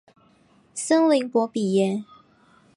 森林博比耶。